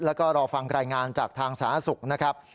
แล้วก็รอฟังรายงานจากทางสาธารณสุขนะครับ